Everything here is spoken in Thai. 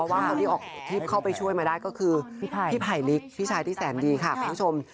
ว่าคนที่เข้าไปช่วยมาได้ก็คือพี่ไผลลิกพี่ชายที่แสนดีค่ะคุณผู้ชม